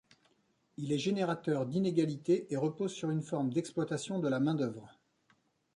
Il est générateur d'inégalités et repose sur une forme d'exploitation de la main d’œuvre.